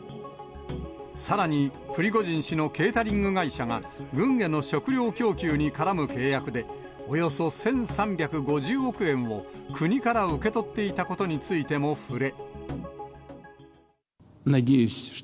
さらに、プリゴジン氏のケータリング会社が、軍への食料供給に絡む契約で、およそ１３５０億円を国から受け取っていたことについても触れ。